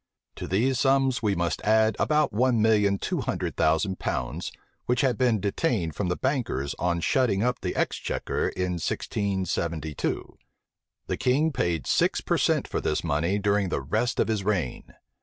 To these sums we must add about one million two hundred thousand pounds, which had been detained from the bankers on shutting up the exchequer in 1672. The king paid six per cent. for this money during the rest of his reign.